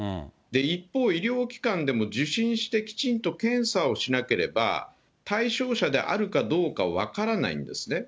一方、医療機関でも受診してきちんと検査をしなければ対象者であるかどうか分からないんですね。